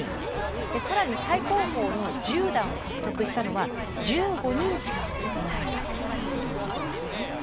更に最高峰の十段を獲得したのは１５人しかいないということなんです。